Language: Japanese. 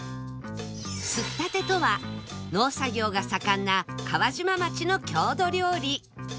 すったてとは農作業が盛んな川島町の郷土料理